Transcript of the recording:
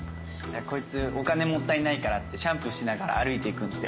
こいつお金もったいないからってシャンプーしながら歩いて行くんですよ。